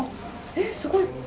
えっすごい！